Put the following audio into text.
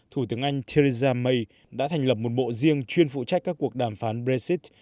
thủ tướng anh theresa may đã thành lập một bộ riêng chuyên phụ trách các cuộc đàm phán brexit